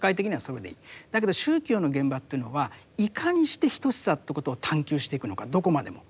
だけど宗教の現場というのはいかにして等しさということを探究していくのかどこまでも。